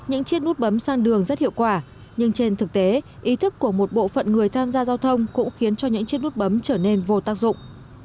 những chiếc bút bấm sang đường rất hiệu quả nhưng trên thực tế ý thức của một bộ phận người tham gia giao thông cũng khiến cho những chiếc bút bấm trở nên vô tác dụng